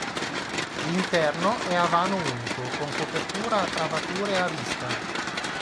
L'interno è a vano unico con copertura a travature a vista.